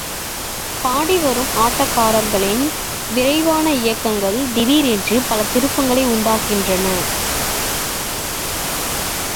பாடி வரும் ஆட்டக்காரர்களின் விரைவான இயக்கங்கள் திடீர் என்று பல திருப்பங்களை உண்டாக்குகின்றன.